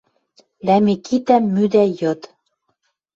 Дӓ Микитӓм мӱдӓ йыд.